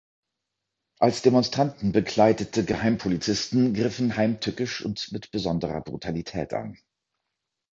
Als Demonstranten bekleidete Geheimpolizisten griffen heimtückisch und mit besonderer Brutalität an.